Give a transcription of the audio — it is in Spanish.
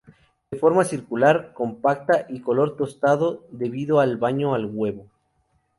De forma circular, compacta y color tostado debido al baño al huevo.